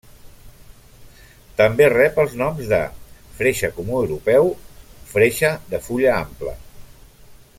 També rep els noms de freixe comú europeu, freixe de fulla ampla.